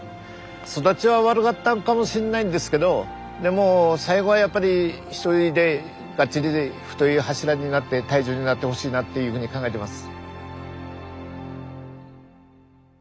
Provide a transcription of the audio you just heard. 育ちは悪かったかもしんないんですけどでも最後はやっぱり一人でがっちりで太い柱になって大樹になってほしいなっていうふうに考えてます。